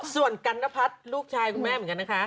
ส่วนกันนพัฒน์ลูกชายคุณแม่เหมือนกันนะคะ